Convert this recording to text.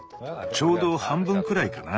ちょうど半分くらいかな。